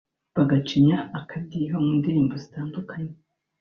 bagacinya akadiho mu ndirimbo zitandukanye